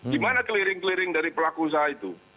gimana keliring keliring dari pelaku usaha itu